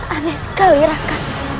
aneh sekali raka